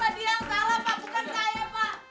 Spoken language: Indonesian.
pak dia yang salah pak bukan saya pak